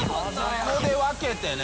ここで分けてね。